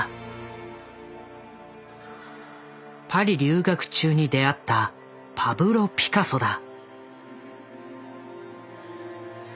パリ留学中に出会ったパブロ・ピカソだ。